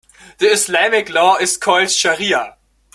The Islamic law is called shariah.